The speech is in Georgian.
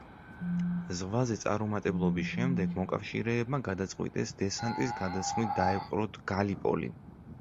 ზღვაზე წარუმატებლობის შემდეგ მოკავშირეებმა გადაწყვიტეს დესანტის გადასხმით დაეპყროთ გალიპოლი.